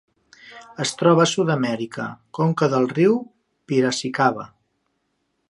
Es troba a Sud-amèrica: conca del riu Piracicaba.